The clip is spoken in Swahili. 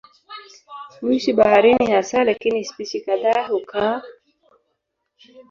Huishi baharini hasa lakini spishi kadhaa hukaa katika mito na milango yao.